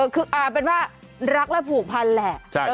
คือเอาเป็นว่ารักและผูกพันแหละ